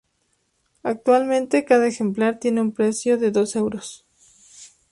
Actualmente cada ejemplar tiene un precio de dos euros.